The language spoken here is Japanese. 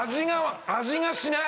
味がしない！